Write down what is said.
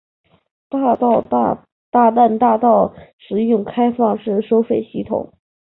大淡大道使用开放式收费系统。